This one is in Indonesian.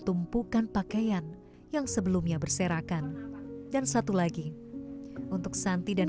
tumpukan pakaian yang sebelumnya berserakan dan satu lagi untuk santi dan